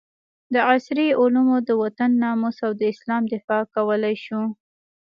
په عصري علومو د وطن ناموس او د اسلام دفاع کولي شو